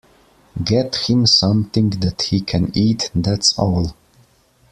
Get him something that he can eat, that’s all.